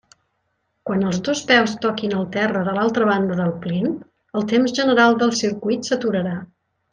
Quan els dos peus toquin al terra de l'altra banda del plint, el temps general del circuit s'aturarà.